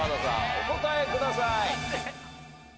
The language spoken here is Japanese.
お答えください。